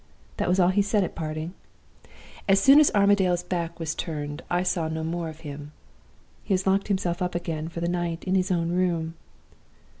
That was all he said at parting. As soon as Armadale's back was turned, I saw no more of him. He has locked himself up again for the night, in his own room.